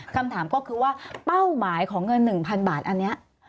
คำถามก็คือว่าเป้าหมายของเงิน๑๐๐๐บาทอันนี้